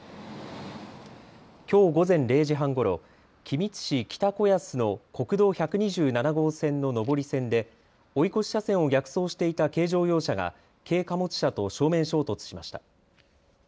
きょう午前０時半ごろ、君津市北子安の国道１２７号線の上り線で追い越し車線を逆走していた軽乗用車が軽貨物車と正面衝突しました。